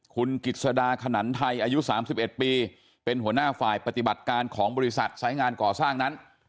คุณกิจสดาขนันไทยอายุ๓๑ปีเป็นหัวหน้าฝ่ายปฏิบัติการของบริษัทสายงานก่อสร้างนั้น